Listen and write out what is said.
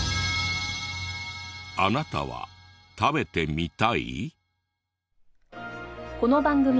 あなたは食べてみたい？